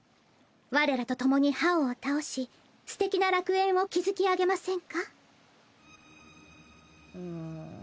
我らとともにハオを倒しすてきな楽園を築き上げませんか？